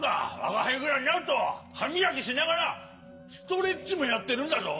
わがはいぐらいになるとはみがきしながらストレッチもやってるんだぞ。